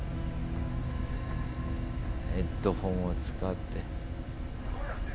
ヘッドホンを使って。